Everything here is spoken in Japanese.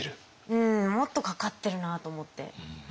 うんもっとかかってるなと思って。